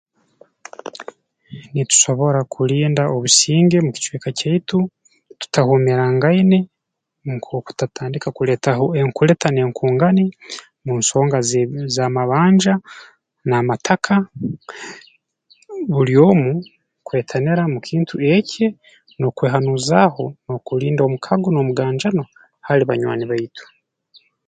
Nitusobora kulinda obusinge mu kicweka kyaitu tutahuumirangaine nk'oku tatandika kuleetaho enkulita n'enkungani mu nsonga ze z'amabanga n'amataka buli omu kwetanira mu kintu ekye n'okwehanuuzaaho n'okulinda omukago n'omuganjano hali banywani baitu